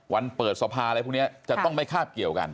เปิดสภาอะไรพวกนี้จะต้องไม่คาบเกี่ยวกัน